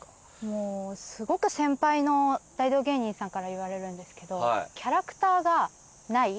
もうすごく先輩の大道芸人さんから言われるんですけどキャラクターがない。